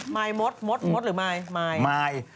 มายมดมดหรือมาย